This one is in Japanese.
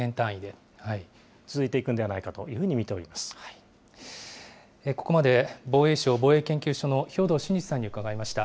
続いていくんではないかといここまで、防衛省防衛研究所の兵頭慎治さんに伺いました。